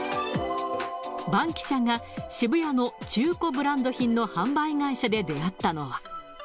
バンキシャが渋谷の中古ブランド品の販売会社で出会ったのは。